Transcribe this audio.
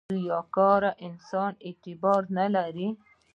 • ریاکار انسان اعتبار نه لري.